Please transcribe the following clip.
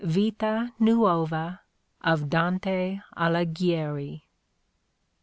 {Vita Nuova of Dante Alighieri.)